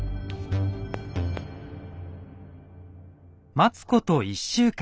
待つこと１週間。